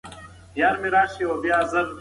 که چوکاټ وي نو انځور نه څیریږي.